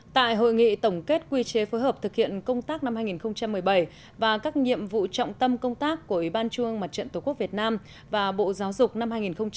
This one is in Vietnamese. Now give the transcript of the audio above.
tại hội nghị tổng kết quy chế phối hợp thực hiện công tác năm hai nghìn một mươi bảy và các nhiệm vụ trọng tâm công tác của ủy ban trung ương mặt trận tổ quốc việt nam và bộ giáo dục năm hai nghìn một mươi tám